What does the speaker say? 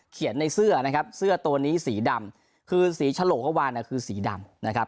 เขียนในเสื้อเสื้อตัวนี้สีดำคือสีชะโหลเข้ามาคือสีดำ